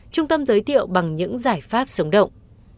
trung tâm giới thiệu bằng những giải pháp sống động